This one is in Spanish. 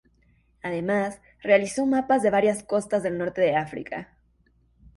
Además realizó mapas de varias costas del norte de África.